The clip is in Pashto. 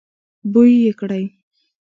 بوی يې کړی.